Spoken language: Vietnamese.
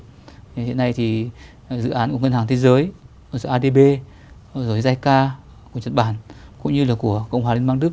hiện nay dự án của ngân hàng thế giới adb giai ca của nhật bản cũng như của cộng hòa liên bang đức